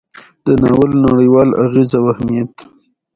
د ناول نړیوال اغیز او اهمیت: